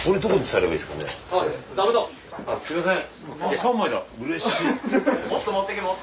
すいません！